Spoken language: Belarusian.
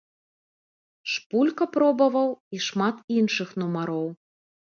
Шпулька пробаваў і шмат іншых нумароў.